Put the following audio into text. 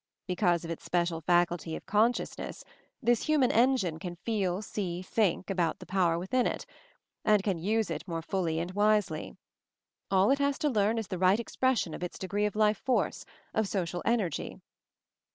Because of its special faculty of consciousness, this human engine can feel, see, think, about the power within it; and can use it more fully and wisely. All it has to learn is the right ex pression of its degree of life force, of Social Energy."